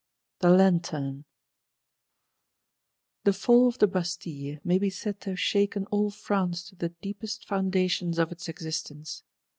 The Lanterne. The Fall of the Bastille may be said to have shaken all France to the deepest foundations of its existence.